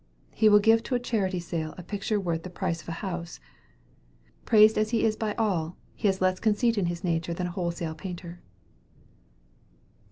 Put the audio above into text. He will give to a charity sale a picture worth the price of a house. Praised as he is by all, he has less conceit in his nature than a wholesale painter."